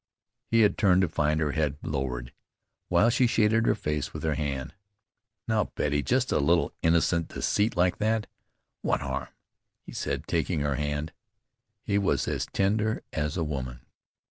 He had turned to find her head lowered, while she shaded her face with her hand. "Now, Betty, just a little innocent deceit like that what harm?" he said, taking her hand. He was as tender as a woman.